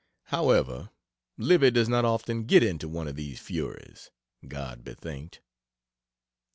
However, Livy does not often get into one of these furies, God be thanked.